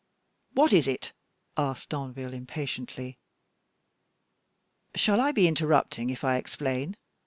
"What is it?" asked Danville, impatiently. "Shall I be interrupting if I explain?"